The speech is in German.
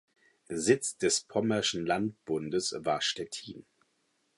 Sitz des Pommerschen Landbundes war Stettin.